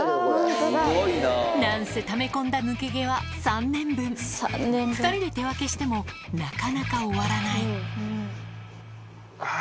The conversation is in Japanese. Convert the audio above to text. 何せため込んだ抜け毛は３年分２人で手分けしてもなかなか終わらないあぁ